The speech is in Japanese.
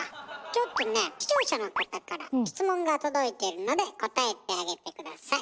ちょっとね視聴者の方から質問が届いているので答えてあげて下さい。